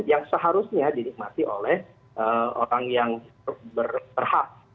yang seharusnya dinikmati oleh orang yang berhak